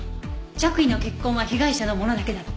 着衣の血痕は被害者のものだけだった。